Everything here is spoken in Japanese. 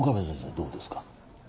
どうですか？